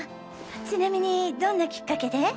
ちなみにどんなきっかけで？